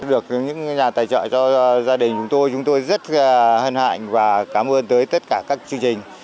được những nhà tài trợ cho gia đình chúng tôi chúng tôi rất hân hạnh và cảm ơn tới tất cả các chương trình